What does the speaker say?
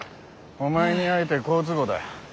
お前に会えて好都合だ。